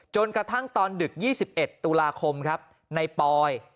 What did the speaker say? จนกระทั่งตอนดึก๒๑ตุลาคมครับในปอย